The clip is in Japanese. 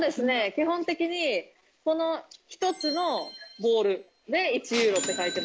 基本的にこの１つのボウルで１ユーロって書いてますね。